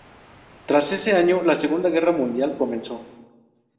Tras ese año, la Segunda Guerra Mundial comenzó.